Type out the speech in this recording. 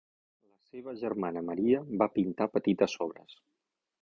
La seva germana Maria va pintar petites obres.